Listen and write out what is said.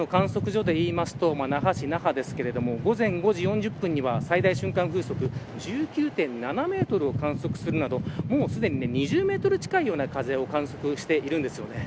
この近くの観測所でいうと那覇ですけれども午前５時４０分には最大瞬間風速１９．７メートルを観測するなどすでに２０メートル近いような風を観測しているんです。